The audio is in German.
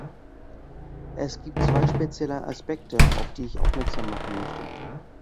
Es gibt zwei spezielle Aspekte, auf die ich aufmerksam machen möchte.